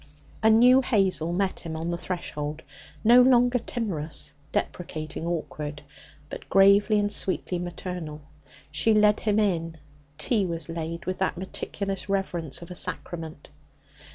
A new Hazel met him on the threshold, no longer timorous, deprecating, awkward, but gravely and sweetly maternal. She led him in. Tea was laid with the meticulous reverence of a sacrament.